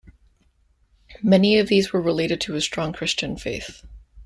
Many of these were related to his strong Christian faith.